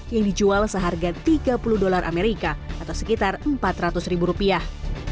yang dijual seharga tiga puluh dolar amerika atau sekitar empat ratus ribu rupiah